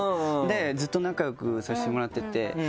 ずっと仲良くさせてもらってて。